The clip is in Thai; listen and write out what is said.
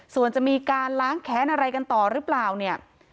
ส่วนจะมีการล้างแค้นอะไรกันต่อหรือเปล่าเนี่ย